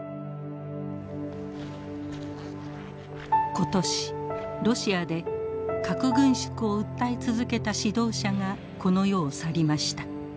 ことしロシアで核軍縮を訴え続けた指導者がこの世を去りました。